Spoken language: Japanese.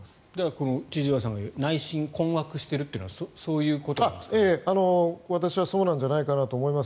この千々岩さんが言う内心困惑してるというのは私はそうではないかと思います。